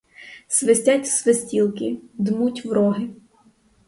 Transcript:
Свистять в свистілки, дмуть в роги